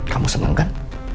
kamu seneng kan